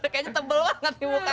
kayanya tebel banget di muka